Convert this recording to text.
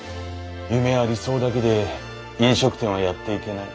夢や理想だけで飲食店はやっていけない。